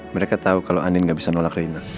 mereka tahu kalau andin gak bisa nolak rina